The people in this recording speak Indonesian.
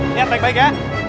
lihat baik baik ya